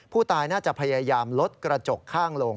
ผู้ตายน่าจะพยายามลดกระจกข้างลง